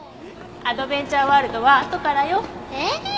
アドベンチャーワールドはあとからよ。ええーっ！